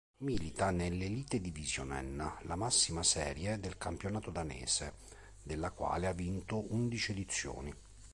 Milita nell'Elitedivisionen, la massima serie del campionato danese, della quale ha vinto undici edizioni.